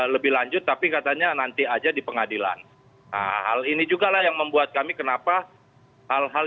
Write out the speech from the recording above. lebih lanjut tapi katanya nanti aja di pengadilan hal ini juga yang membuat kami kenapa hal hal